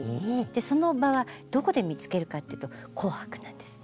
その場はどこで見つけるかっていうと「紅白」なんです。